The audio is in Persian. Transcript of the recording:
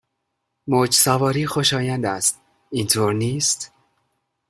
موج سواری خوشایند است، اینطور نیست؟